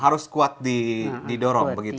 harus kuat didorong begitu